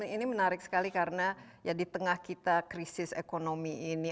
ini menarik sekali karena ya di tengah kita krisis ekonomi ini